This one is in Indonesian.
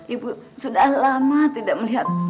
ibu sudah lama tidak melihat